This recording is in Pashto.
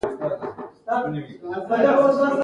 ولې دغه ټکنالوژي په ټوله نړۍ کې نه خپرېږي.